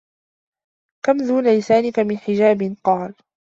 كَمْ دُونَ لِسَانِك مِنْ حِجَابٍ ؟ قَالَ